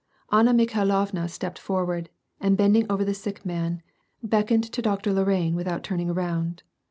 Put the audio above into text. Anna Mikhailovna stepped forward, and bending over the sick man, beckoned to Doctor Lorraine without turning round.